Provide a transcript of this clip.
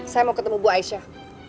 saya mau ketemu bu aisyah